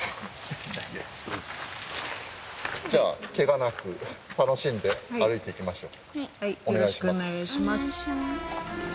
じゃあ、けがなく楽しんで、歩いていきましょう。